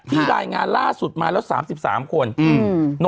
รายงานล่าสุดมาแล้ว๓๓คน